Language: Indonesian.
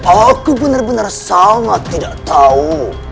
aku benar benar sangat tidak tahu